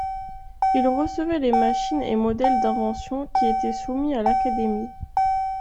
Il recevait les machines et modèles d'inventions qui étaient soumis à l'Académie.